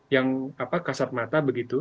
yang kasar mata begitu